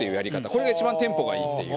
これが一番テンポがいいっていう。